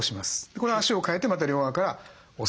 これ足を変えてまた両側から押す。